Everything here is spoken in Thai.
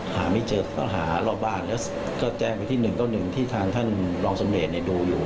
หาไม่เจอก็หารอบบ้านแล้วก็แจ้งไปที่๑๙๑ที่ทางท่านรองสมเด็จดูอยู่